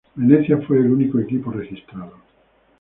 Venezia fue el único equipo registrado.